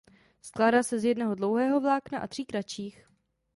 Skládá se z jednoho dlouhého vlákna a tří kratších.